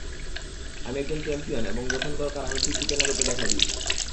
আমি একজন চ্যাম্পিয়ন এবং যখন দরকার আমি ঠিকই চেনা রূপে দেখা দিই।